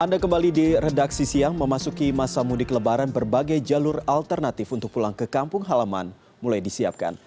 anda kembali di redaksi siang memasuki masa mudik lebaran berbagai jalur alternatif untuk pulang ke kampung halaman mulai disiapkan